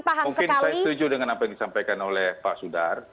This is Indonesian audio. mungkin saya setuju dengan apa yang disampaikan oleh pak sudar